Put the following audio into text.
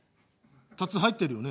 タツ入ってるよね？